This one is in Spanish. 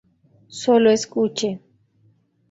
Solo escuche.